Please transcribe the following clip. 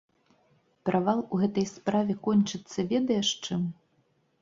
Правал у гэтай справе кончыцца ведаеш чым?